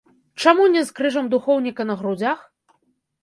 Чаму не з крыжам духоўніка на грудзях?